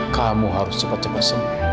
kamu harus cepat cepat sembuh